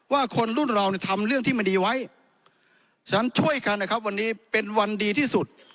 ว่าคนรุ่นเราเนี่ยทำเรื่องที่มันดีไว้ฉันช่วยกันนะครับวันนี้เป็นวันดีที่สุด